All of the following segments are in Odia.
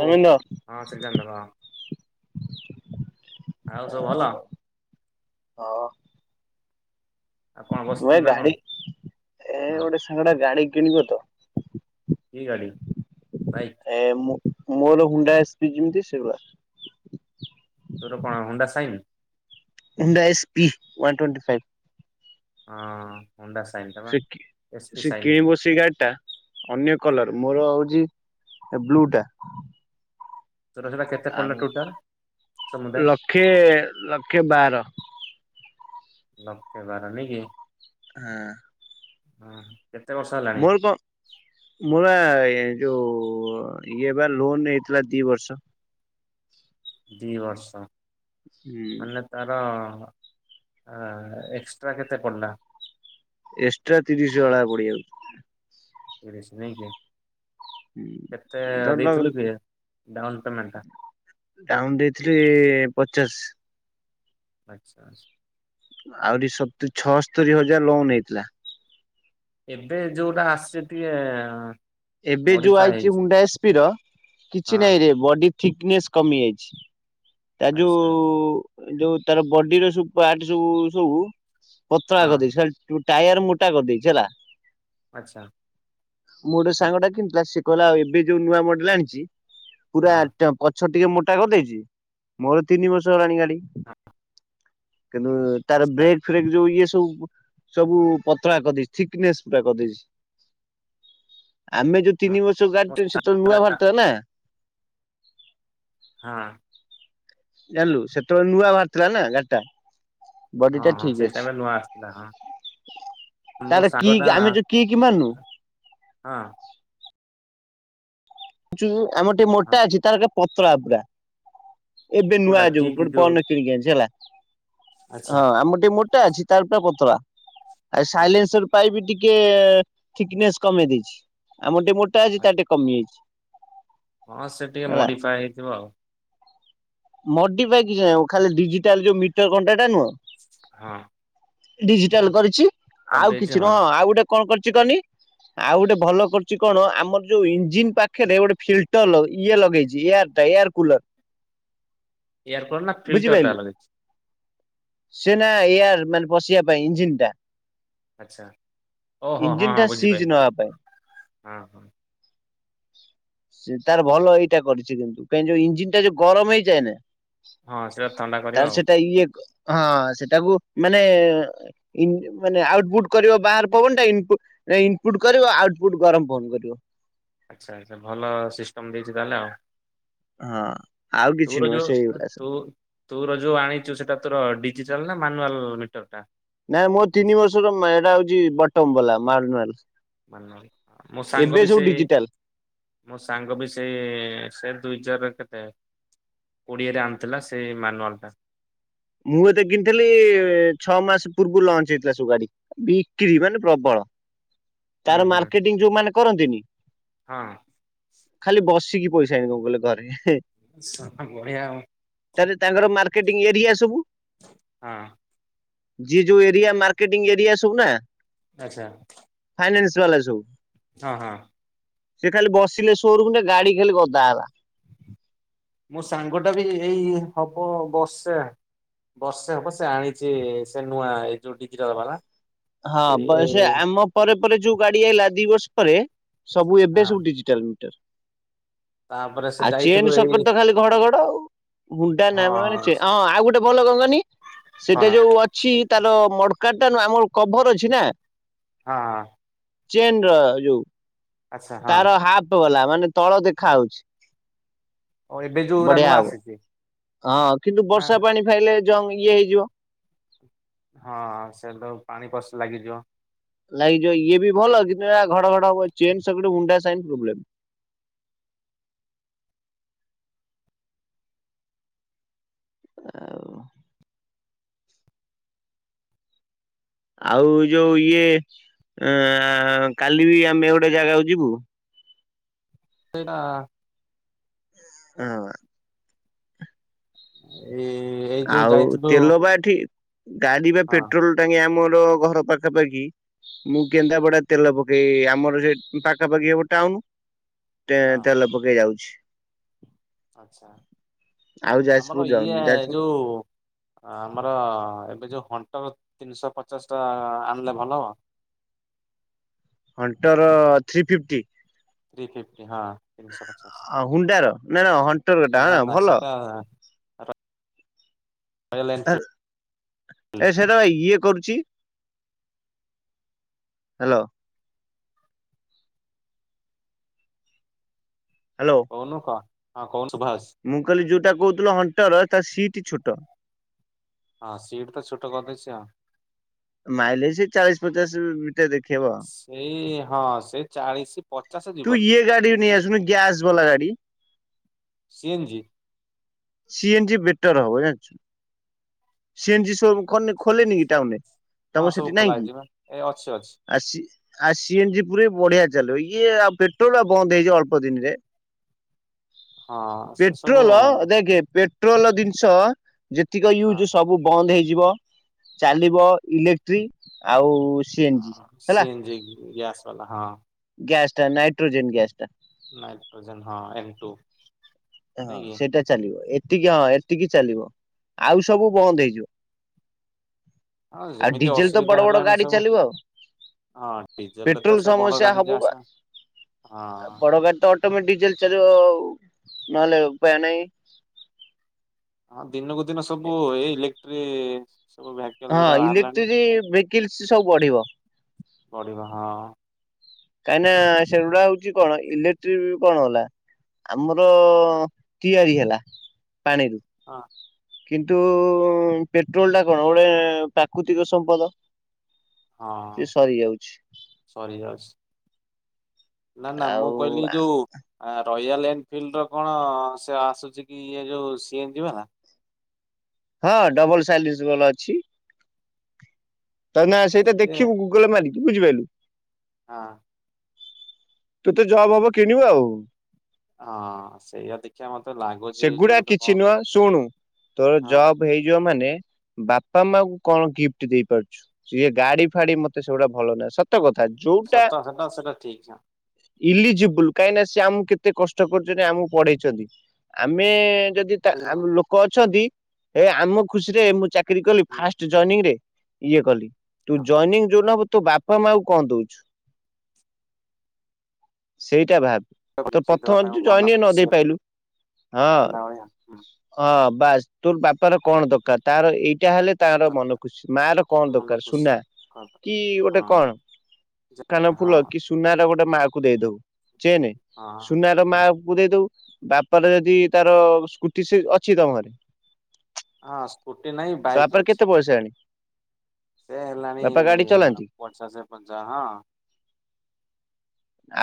ହୋଉ ଧର୍ମେନ୍ଦ୍ର ହଁ ସେ [unintelligible] ହଁ। ଆଉ ସବୁ ଭଲ। ହଁ। ଆଉ କଣ ମୁଁ ଏ ବସିଥିଲୁ ନା କଣ ଗାଡି ଏ ହଁ ଗୋଟେ ସାଙ୍ଗଟା ଗାଡି କିଣିବ ତ କି ଗାଡି ବାଇକ୍? ଏ ମୁଁ ମୋର ହୁଣ୍ଡା ସ୍ପି ଯେମିତି ସେଭଳିଆ। ତୋର କଣ Honda sign? Honda S P one twenty five ହଁ ହୁଣ୍ଡା ସାଇନ୍। ଟା ବା ସେ କି ଏସ୍ ପି ସେ ସାଇନ୍ କିଏ ବ ସି ଗାଡି ଟା ଅନ୍ୟ କଲର ମୋର ହଉଚି ବ୍ଲୁ ଟା। ତୋର ସେଟା କେ ଆଉ ଲକ୍ଷେ ଲକ୍ଷେ ବାର। ଲକ୍ଷେ ବାର ନାଇଁ କି। ହଁ। ହଁ। କେତେ ବର୍ଷ ହେଲା? ମୋର କଁ ମୋର ବା ଏ ଯୋଉ ଇଏ ବା ଲୋନ ହେଇଥିଲା ଦିଇ ବର୍ଷ। ଦି ବର୍ଷ ହୁଁ ମାନେ ତାର ଏଁ ଏକ୍ସଟ୍ରା କେତେ ପଡ଼ିଲା? ଏକ୍ସଟ୍ରା ତିରିଶ ଭାଳିଆ ପଡିଜାଉଚି। ତିରିଶି ନାଇକି କେତେ ଧରିଲ ଦେଇଥିଲୁ କି ଡାଉନ୍ ପେମେଣ୍ଟଟା? ଡାଉନ୍ ଦେଇଥିଲି ପଚାଶ। ଆଛା ଆଛା। ଆହୁରି ସ ଛଅସ୍ତରୀ ହଜାର ଲୋନ୍ ହେଇଥିଲା। ଏବେ ଯୋଉଟା ଆସିଚି ଟିକେ ଏବେ ଯୋଉ ମଡିଫାଏ ଆଇଛି ହେଇଛି ହୁଣ୍ଡା ଏସ୍ପି ର ହଁ କିଛି ନାହିଁ ରେ ବଡି ଠିକନେସ୍ କମି ଯାଇଛି ତା ଆଚ୍ଛା ଆଚ୍ଛା ଯୋଉ ଯୋଉ ତାର ବଡିର ସବୁ ପାର୍ଟ ସବୁ ସବୁ ପତଳା ହଁ କରିଦେଇଛି ତୁ ଟାୟାର ମୋଟା କରିଦେଇଛି ହେଲା। ଆଚ୍ଛା। ମୋ ଗୋଟେ ସାଙ୍ଗଟା କିଣିଥିଲା ସିଏ କହିଲା ଏବେ ଯୋଉ ନୂଆ ମଡେଲ ଆଣିଛି ପୁରା ହଁ। [inaudible] ପଛ ଟିକେ ମୋଟା କରିଦେଇଛି ମୋର ତିନି ବର୍ଷ ହେଲାଣି ଗାଡି ହଁ କିନ୍ତୁ ତାର ଆଚ୍ଛା ଆଚ୍ଛା। ବ୍ରେକ୍ ଫ୍ରେକ୍ ଯୋଉ ଇଏ ସବୁ ସବୁ ପତଳା କରିଦେଇଛି ଥିକନେସ୍ ପୁରା କରିଦେଇଛି। ଆମେ ଯୋଉ ହଁ ତିନି ବର୍ଷ ମୋ ଗାଡି ସା ସେତେବେଳେ ନୂଆ ବାହାରିଥିଲା ନା। ହଁ ଜାଣିଲୁ ସେତେବେଳେ ନୂଆ ବାହାରି ଥିଲା ନା ଗାଡିଟା। ହଁ ଟା ହଁ ଠିକ୍ ସେଇ ଅଛି। ହିସାବରେ ନୂଆ ଆସଥିଲା ହଁ। ମୋ ତାର ଶାଙ୍ଗ ଟା ଆମେ ଯୋଉ ମାରୁନୁ ହଁ ଆମର ଟିକେ ହଁ ମୋଟା ଅଛି ତାର ପତଳା ପୁରା ଏବେ ନୂଆ କୋଉଟା ଯୋଉ କିକ୍ ଗୋଟେ ପ ରଖ କିିଣିକି ଆଣିଚି ହେଲା ଆଚ୍ଛା ହଁ ଆମର ଟିକେ ମୋଟା ଅଛି ତାର ପୁରା ପତଳା। ଆଉ ହୁଁ। ସାଇଲେନ୍ସ ପାଇପ ଟିକିଏ ଠିକକନେସ୍ କମେଇ ଦେଇଛି। ଆମର ଟିକେ ମୋଟା ଅଛି ତାର ଟିକେ କମିଯାଇଛି। ହଁ ସେ ଟିକେ ମୋଡିଫାଏ ହେଇଥିବ ଆଉ ମୋଡି଼ଫାଇ କିଛି ନାଇଁ ଖାଲି ଡିଜିଟାଲ ଯୋଉ ମିଟରଣ୍ଟାଟା ନୁହଁ ହଁ। ଡିଜିଟାଲ କରିଛି ଆଉ କରିଦେଇଛି କିଛି ହଁ। ନୁହଁ ଆଉ ଗୋଟେ କଣ କରିଛି କହନି? ଆଉ ଗୋଟେ ଭଲ କରୁଛି କଣ ଆମର ଯୋଉ ଇଞ୍ଜିିନ ପାଖରେ ଗୋଟେ ଫିଲଟର ଲଗେ ଇଏ ଲଗେଇଛି ୟାର ଏୟାର କୁଲର୍ ଏୟାର କୂଲର ନା ଫିଲ୍ଟରଟା ଲଗେଇଚି? ସେନା ଏୟାର ମାନେ ପଶିବା ପାଇଁ ଇଞ୍ଜିିନ ଟା। ଆଚ୍ଛା ଓ ହୋ ଇଞ୍ଜିନ ହଁ ଟା ହଁ ସିଜ ବୁଝିପାଇଲି ନବା ପାଇଁ। ହଁ ହଁ। ସେ ତାର ଭଲ ଏଇଟା କରିଛି କିନ୍ତୁ କାହିଁ ଯୋଉ ଇଞ୍ଜିିନ ଟା ଯଉ ଗରମ ହେଇଯଏ ନା। ହଁ ସେଇଟା ଥଣ୍ଡା କରିବ ତାର ଆଉ ସେଟା ଇଏ ହଁ ସେଟାକୁ ମାନେ ମାନେ ଆଉଟପୁଟ କରିବ ବାହାର ପବନଟା ଇନପୁଟ ଏ ଇନପୁଟ କରିବ ଆଉଟପୁଟ ଗରମ ବନ୍ଦ କରିବ। ଆଚ୍ଛା ଆଚ୍ଛା ଭଲ ସିଷ୍ଟମ ଦେଇଛି ତାହେଲେ ଆଉ। ହଁ। ଆଉ କିଛି ତୋର ନୁହଁ ଜଉ ସେଇଗୁଡା ସବୁ। ତୋ ତୋର ଯୋଉ ଆଣିଛୁ ସେଟା ତୋର ଡିଜିଟାଲ ନା ମାନୁଆଲ ମିଟର ଟା? ନାଇଁ ମୋ ତିନି ବର୍ଷର ଏଟା ହଉଛି ବଟମ ବାଲା ମାନୂଆଲ ମାନ ମୋ ସାଙ୍ଗ ବି ସେଇ ମୋ ସାଙ୍ଗ ବି ସେଇ ସେ ଦୁଇଚାରର କେତେ ଓଡ଼ିଆରେ ଆଣିଥିଲା ସେ ମାନୁଆଲ ଟା। ମୁଁ ଜେତେ କିଣିଥିଲି, ଛଅ ମାସ ପୁର୍ବରୁ ଲଞ୍ଚ ହେଇଥିଲା ସବୁ ଗାଡ଼ି। ବିକ୍ରି ମାନେ ପ୍ରବଳ ହୁଁ ତାର ମାର୍କେଟିଂ ଯୋଉ ମାନ କରନ୍ତିନି? ହଁ। ଖାଲି ବସିକି ପଇସା ଇନକମ୍ କଲେ ଘରେ। ହଁ ବଢିଆ ଆଉ ତାହାଲେ ତାଙ୍କର ମାର୍କେଟିଂ ଏରିଆ ବୁ, ହଁ ଯିଏ ଯୋଉ ଏରିଆ ମାର୍କେଟିଂ ଏରିଆ ସବୁ ନା। ଆଚ୍ଛା। ଫାଇନାନ୍ସ ବାଲା ସବୁ। ହଁ ହଁ। ସିଏ ଖାଲି ବସିନେ ଶୋରୁମ୍ ରେ ଗାଡ଼ି ଖାଲି ଗଦା ହେଲା। ମୋ ସାଙ୍ଗଟା ବି ହେଇ ହବ ବସେ। ବର୍ଷେ ହବ ସେ ଆଣିଛି ସେ ନୂଆ ଏଇ ଯୋଉ ଡିଜିଟାଲ ବାଲା। ହଁ, ସେଇ ବ ଏଇ ଆମ ପରେ ପରେ ଯୋଉ ଗାଡ଼ି ଆଇଲା ଦି ବର୍ଷ ପରେ, ସବୁ ଏବେ ସବୁ ଡିଜି ଟାଲ ମିଟର। ପା ଆଉ ଚେନ ସକଟ ତ ଖାଲି ଘଡ଼ଘଡ଼ ଆଉ। ହୁଣ୍ଡା ନା ମାନେ ଚେ ହଁ ଆଉ ଗୋଟେ ବଲ କଣ କହନି, ସେଟା କଣ ଯୋଉ ଅ ଛି ତାର ମର୍ଡକାର୍ଡ ଟା ନୁହଁ ଆମର କଭର ଅଛି ନା। ହଁ। ଚେନ ର ଯୋଉ। ଆଚ୍ଛା ହଁ ତାର ହାପ ବାଲା ମାନେ ତଳ ଦେଖା ହଉଛି। ଓ ଏବେ ଯୋଉଗୁରା ବଢ଼ିଆ ନୂଆ ହବ, ଆସିଛି ହଁ କିନ୍ତୁ ନା ବର୍ଷା ପାଣି ଖାଇଲେ ଜଙ୍ଗ ଇଏ ହେଇଯିବ। ହଁ, ସେତ ପାଣି ପସ ଲାଗିଯିବ। ଲାଗିଯିବ ଇଏ ବି ଭଲ, କିନ୍ତୁ ୟା ଘଡ଼ଘଡ଼ ହବ, ଚେନ୍ ସକେଟ୍ ହୁଣ୍ଡା ସାଇନ୍ ପ୍ରବ୍ଲେମ୍। ଆଉ। ଆଉ ଯୋଉ ଇଏ ଏଁ କାଲି ବି ଆମେ ଗୋଟେ ଜଗାକୁ ଯିବୁ। ସେଇଟା ହଁ। ଏ ଆଉ ତେଲ ବା ଏଠି, ଗାଡ଼ି ବା ହଁ ପେଟ୍ରୋଲ ଟାଙ୍କି ଆମର ଘର ପାଖାପାଖି ମୁଁ କେନ୍ଦାପଡ଼ା ତେଲ ପକେଇ, ଆମର ସେ ପାଖାପାଖି ହବ ଟାଉନ। ଟେ ହଁ। ତେଲ ପକେଇ ଯାଉଛି। ଆଛା, ଆଉ ଯାଜପୁର ଆମର ଇଏ ଯାଉନି ଯାଜପୁର ଯୋଉ ଆମର ଏବେ ଯୋଉ ହଣ୍ଟର ତିନିଶହ ପଚାଶ ଟା ଆଣିଲେ ଭଲ ହବ? Hunter three fifty. Three fifty ହଁ। ତିନିଶପଚାଶ ହୁଣ୍ଡାର ନା ନା ହଣ୍ଟର ଟା ନାଁ ନାଁ ଭଲ ସେଟା ର [unintelligible] ଏ ସେରା ଇଏ କରୁଛି। ହାଲୋ। ହାଲୋ। କୋହୁନୁ କ ହଁ କୋଉନୁ ସୁଭା ହୋଉଚି। ମୁଁ କହିଲି ଯୋଉଟା କହୁଥିଲ ହଣ୍ଟର ତା ସିଟ୍ ଛୋଟ। ହଁ, ସିଟ୍ ତ ଛୋଟ କରି ଦେଇଛି। ମାଇଲେଜ ସେଇ ଚାଳିଶ ପଚାଶ ଭିତରେ ଦେଖେଇବ। ଏଇ ହଁ ସେ ଚାଳିଶ ପଚାଶ ତୁ ଯିବନି ଇଏ ଗାଡ଼ି ନେଇ ଆସୁନୁ ଗ୍ୟାସ ବାଲା ଗାଡ଼ି। C N G. C N G better ହବ ଜାଣିଛୁ। ସି ଏନ୍ ଜି ସୋ ଖୋଲେନି କି ଟାଉନ ହଁ ତମର ସବୁ ସେଠି ନାଇଁ ଖୋଲା କି। ହେଇଯିବ ଏ ଅଛି ଅଛି ଆ ଆ ସିଏନଜି ପୁରୀ ବଢିଆ ଚାଲିବ ଇଏ ଆଉ ପେଟ୍ରୋଲ ବନ୍ଦ ହେଇଛିିବ ଅଳ୍ପ ଦିନରେ। ହଁ ସେ ସବୁ ପେଟ୍ରୋଲୋ ହଁ ଦେଖ ପେ ପେଟ୍ରୋଲ ଜିନିଷ ଯେତିକି ୟୁଜ୍। ସବୁ ବନ୍ଦ ହେଇଯିବ ଚାଲିବ ଇଲେକ୍ଟ୍ରିକ। ଆଉ ସିଏନଜି ହେଲା। ସିଏନଜି ଗ୍ୟାସ ବାଲା ହଁ ଗ୍ୟାସ୍ଟା ନାଇଟ୍ରୋଜେନ୍ ଗ୍ୟାସ୍ଟା ନାଇଟ୍ରୋଜନ ହଁ ଏନ୍ ଟୁ ହଁ ନାଇଁ କି ସେଇଟା ଚାଲିବ ଏତିକି ହଁ ଏତିକି ଚାଲିବ ଆଉ ସବୁ ବନ୍ଦ ହେଇଯିବ। ହଁ ଆଉ ଯେମିତି ଡିଜେଲ ତ ଅସୁବିଧା ବଡ ବଡ ହେଲାଣି ଗାଡି ସବୁ ଚାଲିବ ଆଉ। ହଁ ଡିଜେଲ ରେ ତ ପେଟ୍ରୋଲ ସେ ବଡ ସମସ୍ୟା ଗାଡି ଯେ ହବ ବା ଆସେ ହଁ ବଡଗାଡ଼ି ତ ଅଟୋମ ଡିଜେଲ ଚାଲିବ ଆ ନହଲେ ଉପାୟ ନହିଁ। ହଁ ଦିନକୁ ଦିନ ସବୁ ଏ ଇଲେକ୍ଟ୍ରି ସବୁ। ହଁ ଗୁରା ବାହାରିଲାଣି ଇଲେକ୍ଟ୍ରିସି ଭେକାନ୍ସୀ ସବୁ ବଢିବ। ବଢିବ ହଁ। କାହିଁକି ନା ସେଗୁଡା ହଉଛି କଣ ଇଲେକ୍ଟ୍ରିକ କଣ ହେଲା। ଆମର ତିଆରି ହେଲା ପାଣିରୁ। ହଁ କିନ୍ତୁ ପେଟ୍ରୋଲ ଟା କଣ ଗୋଟେ ପ୍ରାକୃତିକ ସମ୍ପଦ। ସେ ହଁ ସରିଯାଉଛି ସରି ଯଜ ନା ନା ମୁଁ ଆଉ କହିଲି ଯୋଉ। ଆ ରୟାଲ ଏନଫିଲ୍ଡ ର କଣ ସେ ଆସୁଛି କି ଇଏ ଯୋଉ ସି ଏ ନ୍ ଜି ବଲା। ହଁ ଡବଲ ସାଇଲିଜ ଗଲ ଅଛି। ତା ନା ସେଇଟା ସିଏ ଦେଖିବୁ ଗୁଗଲରେ ମାରିକି ବୁଝିପାରଲୁ। ହଁ ତୁ ତେ ଜବ୍ ହବ କିଣିବୁ ଆଉ। ହଁ ସେଇଆ ଦେଖିବା ମତେ ଲାଗୁଛି ସେ ସେଗୁଡା ଗୋଟେ କଣ କିଛି ନୁହଁ ଶୁଣୁ ତୋର ହଁ ଯବ। ହେଇଯ ମାନେ ବାପା ମା କୁ କଣ ଗିଫ୍ଟ ଦେଇ ପାରୁଛୁ। ସଇଏ ଗାଡି ଫାଡି ମତେ ସେଗୁଡା ଭଲ ନାହିଁ ସତ କଥା ଯୋଉଟା ହଁ ସେଟା ଠିକ୍ ଇଲିଜିବୁଲ କାହିଁକି ନା ସେ ଆମକୁ କେତେ କଷ୍ଟ କରୁଛନ୍ତି ଆମକୁ ପଢେଇଛନ୍ତି। ଆମେ ଯଦି ଲୋକ ଅଛନ୍ତି ଏ ଆମ ଖୁସିରେ ମୁଁ ଚାକିରୀ କଲି ଫାଷ୍ଟ ଜଇନିଂ ରେ ଇଏ କଲି ତୁ ଜଏନିଂ ଯୋଉଦିନ ହବ ତୋ ବାପା ମା କୁ କଣ ଦଉଛୁ। ସେଇଟା ଭାବ ହଁ ତ ଦେଖିକି ଦେବା ପ୍ରଥମ ତାଙ୍କ ଯ ମନ ଜଇନ ନ ଖୁସି ଦେଇ ପାଇଲୁ। ହଁ ହେଲା ଭଳିଆ ହଁ ବାସ୍ ତୋ ପାପା। ବାପର କଣ ଦରକାର ତାର ଏଇଟା ହେଲେ ତାର ମନ ଖୁସି ମା ର କଣ ମନ ଦରକାର ଖୁସି ସୁନା ହବ। କି ଗୋଟେ ହଁ କଣ ଯା- କାନ ଫୁଲ ହଁ କି ସୁନାର ଗୋଟେ ମା କୁ ଦେଇ ଦବୁ ଚେନ୍ ହଁ ସୁ ହଁ ମାଙ୍କୁ ଦେଇଦଉ ବାପାର ଯଦି ତାର ସ୍କୁଟି ସେ ଅଛି ତମର ହଁ ସ୍କୁଟି ନାଇଁ ବାଇକ୍ ତାପରେ ଅଛି। କେତେ ପଇସା ଆଣି ସେ ହେଲାଣି ବାପା ଗାଡି ଚଲାନ୍ତି ପଚା ସେ ପଞ୍ଚା ହଁ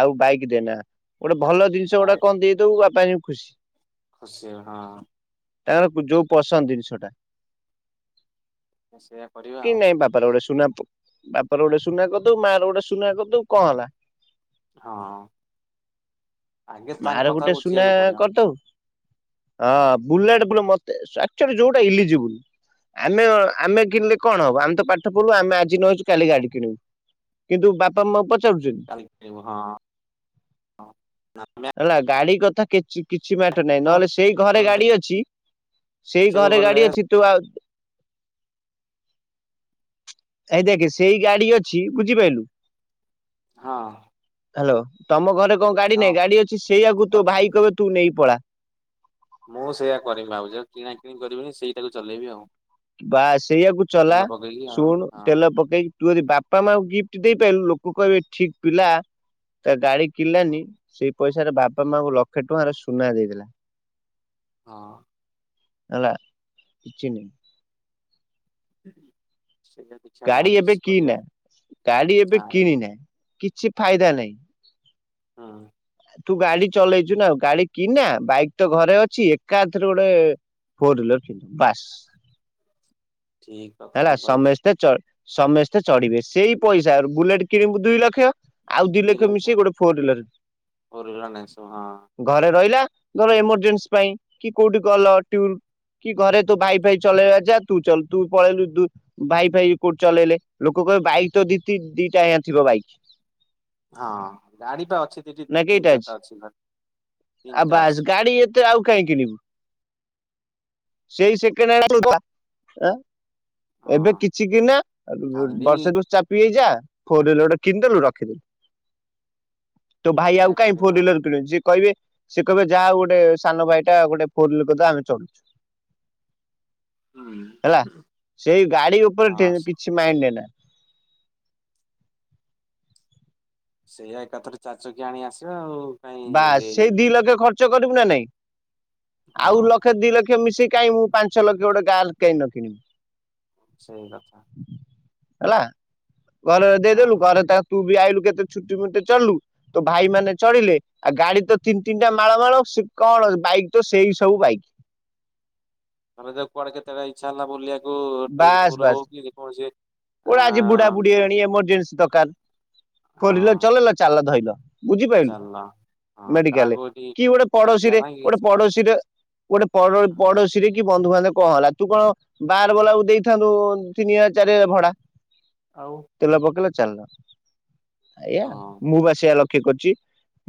ଆଉ ବାଇକ ଦେନା ଗୋଟେ ଭଲ ଜିନିଷ ଗୋଟେ ବାଇ କଣ ଦେଇଦବୁ ବା ପାଇଁ ଖୁସି। ଖୁସି ହଁ। ତାଙ୍କର ଯୋଉ ପସନ୍ଦ ଜିନିଷ ଟା। ସେଇଆ କରିବା କି ଆଉ ନାଇଁ ବାପାର ଗୋଟେ ସୁନା ପୁ ବାପ ର ଗୋଟେ ସୁନା କରିଦବୁ ମା ର ଗୋଟେ ସୁନା କରିଦବୁ କଣ ହେଲା। ହଁ। ଆଗେ ତାଙ୍କ ମାର କଥା ଗୋଟେ ସୁନା ବୁଝିବାକୁ ପଡିବ କରିଦବୁ। ହଁ ବୁଲେଟ୍ ପୁଣି ମତେ ଆକଚୁଲି ଯୋଉଟା ଇଲିଜିବୁଲ। ଆମେ କଣ ଆମେ କିଣିଲେ କଣ ହବ ଆମେ ତ ପାଠ ପଢିଲୁ ଆମେ ଆଜି ନ ହେଇଚି କାଲି ଗାଡି କିଣିବୁ। କିନ୍ତୁ ବାପା, ମାକୁ ପଚାରୁଚକି। କାଲି କିଣିବୁ ହଁ ହଁ ନା ଆମେ ହେଲା ଗାଡି କଥା କିଛି କିଛି ମ୍ୟାଟର ନାହିଁ ନହେଲେ ସେଇ ଘରେ ଗାଡି ଅଛି। ସେଇ ଦେଖିବାକୁ ଘରେ ଗଲେ ଗାଡି ଅଛି ତୁ ଆଉ। ଏଇ ଦେଖେ ସେଇ ଗାଡି ଅଛି ବୁଝିପାଇଲୁ। ହଁ। ହାଲୋ ତମ ଘରେ କଣ ଗାଡି ହଁ ନାଇଁ ଗାଡି ଅଛି ସେଇଆକୁ ତୋ ଅଛି। ଭାଇ କହିବ ତୁ ନେଇ ପଳା। ମୁଁ ସେଇୟା କରିମି ଭାବୁଚି ଆଉ କିଣା କିିଣି କରିବିନି ସେଇଟାକୁ ଚଲେଇବି ଆଉ। ବାସ୍ ସେଇଆକୁ ଚଲା, ତେଲ ପକେଇକି ଆଉ ଶୁଣୁ ହଁ। ତେଲ ପକେଇ ତୁ ଯଦି ବାପା, ମାଙ୍କୁ ଗିଫ୍ଟ ଦେଇପାଇଲୁ ଲୋକ କହିବେ ଠିକ୍ ପିଲା। ତା ଗାଡି କିିଣିଲାନି ସେଇ ପଇସାରେ ବାପା, ମାଆଙ୍କୁ ଲକ୍ଷେ ଟଙ୍କାର ସୁନା ଦେଇଦେଲା। [unintelligible] ହଁ। ହେଲା କିଛି ନୁହ। ସେଇଆ ଗାଡି ଏବେ କିନା ଗାଡି ନା ଏବେ କିଣିନା କିଛି ଫାଇଦା ନାହିଁ। ହଁ। ତୁ ଗାଡି ଚଲେଇଚୁ ନା ଆଉ ଗାଡି କିନା ବାଇକ୍ ତ ଘରେ ଅଛି ଏକାଥରେ ଗୋଟେ। ଫୋର୍ ହ୍ଵିଲର କିଣିବୁ ବାସ୍ ଠିକ ହେଲା କଥାଟା କହିଛୁ। ସମସ୍ତେ ଚ ସମସ୍ତେ ଚଢିବେ ସେଇ ପଇସାର ବୁଲେଟ୍ କିଣିବୁ ଦୁଇ ଲକ୍ଷ। ଆଉ ଦି ଲକ୍ଷ ମିଶି ଗୋଟେ ଫୋର ହ୍ଵିଲର। ଫୋର ହ୍ବିଲର ନେଇଆସିବୁ ହଁ। ଘରେ ରହିଲା। ଧର ଏମରଜେନ୍ସି ପାଇଁ କି କୋଉଠି ଗଲ ଟୁର। କି ଘରେ ତୋ ଭାଇ ଫାଇ ଚଲେଇବା ଯା ତୁ ଚଲ୍ ତୁ ପଳେଇଲୁ ତୁ। ଭାଇ ଫାଇ କୋଉଠି ଚଲେଇଲେ ଲୋକ କହିବେ ବାଇକ୍ ତ ଦି ତି ଦିଇଟା ଆଜ୍ଞା ଥିବ ବାଇକ୍। ହଁ ଗାଡି ପା ଅଛି ଦି ଟି ନା ତିନି, କେଇଟା ଚାରିଟା ଅଛି ଘରେ ତିନିଟା ଅଛି। ତେ ଆଉ କାହିଁ କିଣିବୁ? ସେଇ ହଁ ସେକେଣ୍ଡହ୍ୟାଣ୍ଡ ଚଳଉ [unintelligible] ଥା ଆଁ। ଏବେ ହଁ କିଛି କିଣିନା [unintelligible] ଖାଲି ବର୍ଷେ ଦି ବର୍ଷ ଚା ଫ୍ରି ହେଇଯା ଫୋର୍ ହ୍ୱିଲର ଗୋଟେ କିଣିଦେଲୁ ରଖିଦେଲୁ। ତୋ ଭାଇ ଏଇଆ ଆଉ କାହିଁ କରିବା ଫୋର ଆଉ ହ୍ୱିଲର କିଣିବ ଯିଏ କହିବେ। ସେ କହିବେ ଯାହା ହଉ ଗୋଟେ ସାନ ଭାଇଟା ଗୋଟେ ଫୋର୍ ହ୍ୱିଲର କରିଦେଲା ଆମେ ଚଢୁଚୁ। ହୁଁ। ହେଲା ସେଇ ଗାଡି ଉପରେ ଟେ ହଁ ସେ କିଛି ମାଇଣ୍ଡ ନେଏନା। ସେଇଆ ଏକାଥରେ ଚାରିଚକିଆ ଆଣି ଆସିବା ଆଉ। କାଇଁ ବାସ୍ ରେ ସେଇ ଦି ଲକ୍ଷ ଖର୍ଚ୍ଚ କରିବୁ ନା ନାଇଁ ଆଉ ହଁ ଲକ୍ଷ, ଦି ଲକ୍ଷ ମିଶି କାହିଁ ମୁଁ ପାଞ୍ଚ ଲକ୍ଷ ଗୋଟେ କାର୍ କାଇଁ ନ କିଣିମ ସେଇକଥା। ହେଲା ଘରରେ ଦେଇଦେଲୁ ହଁ। ଘରେ ତା ତୁ ବି ଆଇଲୁ କେତେ ଛୁଟି ମୁଟି ଚଢିଲୁ ତୋ ଭାଇ ମାନେ ଚଢ଼ିଲେ। ଆଉ ଗାଡ଼ି ତ ତିନି ତିନିଟା ମାଳ ମାଳ ସେ କଣ ବାଇକ୍ ତ ସେଇ ସବୁ ବାଇକ୍। ଧରା ଯାଉ ପରେ କେତେବେଳେ ଇଚ୍ଛା ହେଲା ବୁଲିବା ଟୁର୍ ଫୁର୍ ହଉିକି ଯେ କୌଣସି କୁଆଳେ ଆଜି ବୁଡ଼ା ବୁଡ଼ି ହେଲଣି ଏମରଜେନ୍ସି ଦରକାର। ଫୋର୍ ହୁଈଲର ଚଲେଇଲ ଚାଲ ଧଇଲ। ବୁଝିପାଇଲୁ ଚାଲ ହଁ ମେଡିକାଲେ କାହାକୁ ଏଠି କି ଗୋଟେ ଡାକିବା ପଡ଼ୋଶୀରେ ନାଇଁ ଗୋଟେ କି ପଡ଼ୋଶୀରେ ଗୋଟେ ପଡ଼ୋ ହଁ ପଡ଼ୋଶୀରେ କି ବନ୍ଧୁ ବାନ୍ଧବ କଣ ହେଲା ତୁ କଣ ବା ଗଲା ବେଳକୁ ଦେଇଥାନ୍ତୁ ତିନି ହଜାର ଚାରି ହଜାର ଭଡ଼ା। ଆଉ ତେଲ ପକେଇଲ ଚାଲିଲ ଏଇଆ ହଁ। ମୁଁ ବା ସେଇଆ ଲ ଠିକ୍ ଅଛି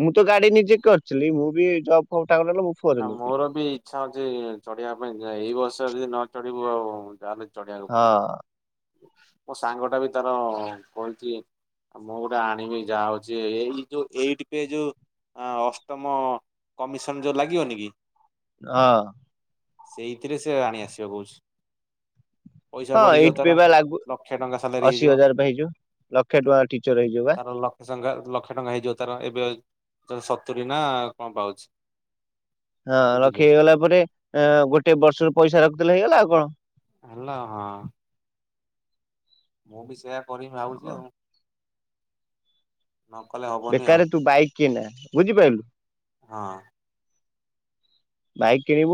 ମୁଁ ତ ଗାଡ଼ି ନିଜେ କରିଥିଲି ମୁଁ ବି ଜଵ୍ ଫବ୍ [unintelligible] ନା ମୋର ବି ଇଛା ଅଛି ଚଢ଼ିବା ପାଇଁକା ଏଇ ବୟସରେ ଯଦି ନ ଚଢ଼ିବୁ ଆଉ ଜା ହେଲେ ଚଢ଼ି ବାକୁ ହଁ ପଡ଼ିବ ମୋ ସାଙ୍ଗ ଟା ବି ତାର କହିଚି ମୁଁ ଗୋଟେ ଆଣିବି ଯାହା ହଉଛି ଏଇ ଯୋଉ ଏଇଟିପେ ଯୋଉ ଆ ଅଷ୍ଟମ କମିଶନ ଯୋଉ ଲାଗିବନି କି? ଅଁ। ସେଇଥିରେ ସେ ଆଣି ଆସିବ କହୁଛି। ପଇସା ହଁ ବଢିଯିବ ତାର। ଏଇଟିପେ ପା ଲାଗୁ ଲକ୍ଷେ ଟଙ୍କା ସାଲାରୀ ଅଶି ହେଇଯିବ ହଜାର ପା ହେଇଯିବ। ଲକ୍ଷେ ଟଙ୍କା ଟିଚର ହେଇଯିବ ବା। ସଂଙ୍ଗା ଲକ୍ଷେ ଟଙ୍କା ହେଇଯିବ ତାର ଏବେ ସତୁରି ନା କଣ ପାଉଛି? ହଁ ଲକ୍ଷେ ବୁଝିଲୁ ହେଇଗଲା ପରେ ଏ ଗୋଟେ ବର୍ଷର ପଇସା ରଖି ଦେଲେ ହେଇଗଲା ଆଉ କଣ। ହେଲା ହଁ। ମୁଁ ବି ସେଇୟା କରିମି ଭାବୁଚି ହଁ ଆଉ। ନ କଲେ ହବ୍ ବେକାରରେ ତୁ ବାଇକ୍ କିଇନା ବୁଝିପାଇଲୁ? ହଁ। ବାଇକ୍ କିଣିବୁ